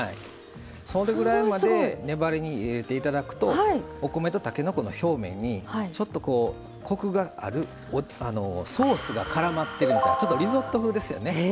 それぐらいまで粘り入れていただくとお米とたけのこの表面にちょっと、コクがあるソースが、からまってるみたいなちょっとリゾット風ですよね。